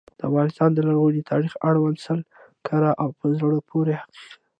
د افغانستان د لرغوني تاریخ اړوند سل کره او په زړه پوري حقایق.